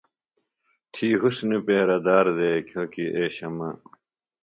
تھی حُسنی پیرہ دار دےۡ کھیوۡ کیۡ اے شمع۔